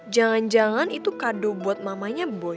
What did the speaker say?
jangan jangan itu kado buat mamanya boleh